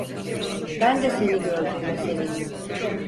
Ben de seni gördüğüme sevindim.